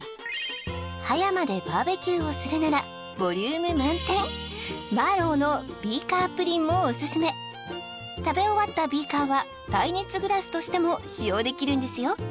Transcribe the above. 葉山でバーベキューをするならボリューム満点マーロウのビーカープリンもおすすめ食べ終わったビーカーは耐熱グラスとしても使用できるんですよ